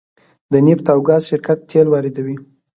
د نفت او ګاز شرکت تیل واردوي